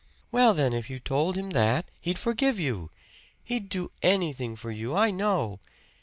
"Well, then, if you told him that, he'd forgive you he'd do anything for you, I know.